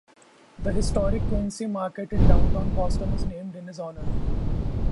The historic Quincy Market in downtown Boston is named in his honor.